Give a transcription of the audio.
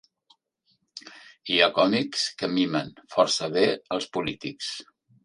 Hi ha còmics que mimen força bé els polítics.